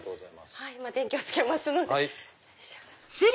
今電気をつけますので。